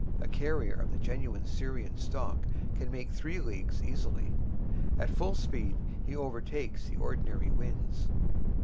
A carrier of the genuine Syrian stock can make three leagues easily. At full speed he overtakes the ordinary winds.